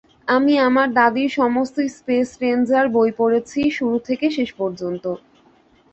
আমি আমার দাদীর সমস্ত স্পেস রেঞ্জার বই পড়েছি, শুরু থেকে শেষ পর্যন্ত।